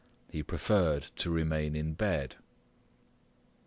He preferred to remain in bed.